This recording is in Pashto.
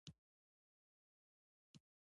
د کرنې د وسایلو ساتنه د تولید دوام تضمینوي.